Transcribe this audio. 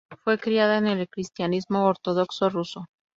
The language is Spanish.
Fue criada en el cristianismo ortodoxo ruso.